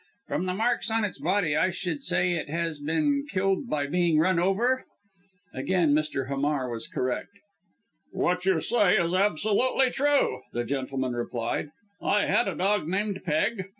From the marks on its body I should say it has been killed by being run over?" Again Mr. Hamar was correct. "What you say is absolutely true," the gentleman replied; "I had a dog named Peg.